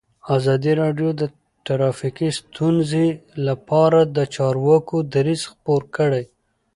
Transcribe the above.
ازادي راډیو د ټرافیکي ستونزې لپاره د چارواکو دریځ خپور کړی.